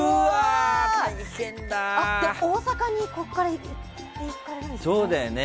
大阪にここから行かれるんですね。